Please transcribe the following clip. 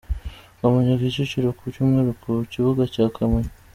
Kamonyi-Kicukiro : Ku cyumweru ku kibuga cya Kamonyi.